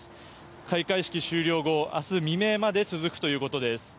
開会式終了後、明日未明まで続くということです。